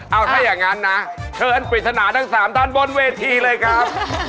เอาถ้าอย่างนั้นนะเชิญปริศนาทั้ง๓ท่านบนเวทีเลยครับ